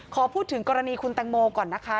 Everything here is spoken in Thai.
ขอพูดถึงกรณีคุณแตงโมก่อนนะคะ